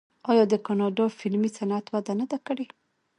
آیا د کاناډا فلمي صنعت وده نه ده کړې؟